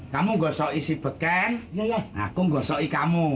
kamu gosok isi beken aku ngosok kamu